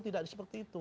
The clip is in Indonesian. tidak seperti itu